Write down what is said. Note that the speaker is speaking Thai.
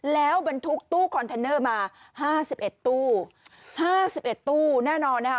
แล้วมันทุกตู้คอนเทนเนอร์มาห้าสิบเอ็ดตู้ห้าสิบเอ็ดตู้แน่นอนนะฮะ